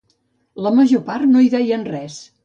La major part no hi deien res